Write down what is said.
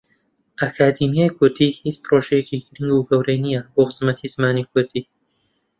ئەکادیمیای کوردی هیچ پرۆژەیەکی گرنگ و گەورەی نییە بۆ خزمەتی زمانی کوردی.